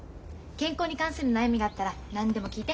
健康に関する悩みがあったら何でも聞いて。